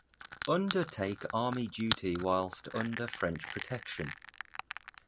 Under take army duty whilst under French protection.